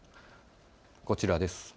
こちらです。